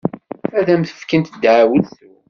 Ad am-fkent ddeɛwessu.